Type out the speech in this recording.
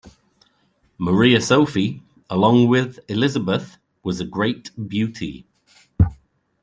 Maria Sophie, along with Elisabeth, was a great beauty.